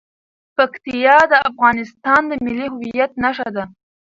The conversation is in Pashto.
پکتیا د افغانستان د ملي هویت نښه ده.